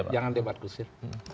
jangan debat gusir